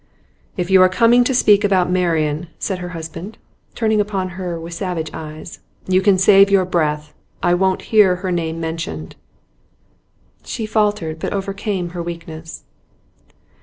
'If you are coming to speak about Marian,' said her husband, turning upon her with savage eyes, 'you can save your breath. I won't hear her name mentioned.' She faltered, but overcame her weakness.